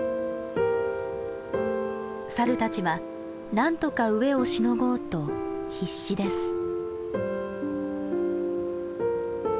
サルたちはなんとか飢えをしのごうと必死です。